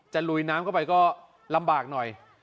ลุยน้ำเข้าไปก็ลำบากหน่อย